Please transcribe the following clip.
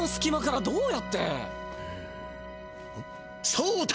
そうだ！